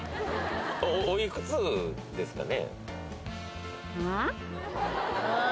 おいくつですかね？